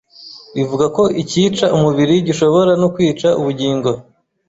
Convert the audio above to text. Bivuga ko icyica umubiri gishobora no kwica ubugingo.